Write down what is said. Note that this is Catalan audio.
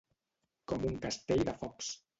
Com un castell de focs.